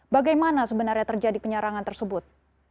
bagaimana sebenarnya terjadi penyerangan tersebut